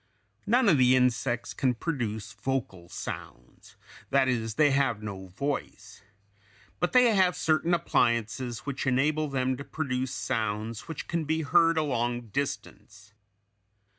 None of the insects can produce vocal sounds, that is, they have no voice, but they have certain appliances which enable them to produce sounds which can be heard a long distance.